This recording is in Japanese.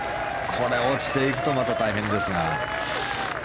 これ、落ちていくとまた大変ですが。